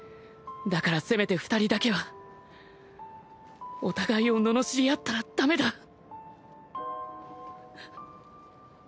だからせめて２人だけはお互いをののしりあったら駄目だ。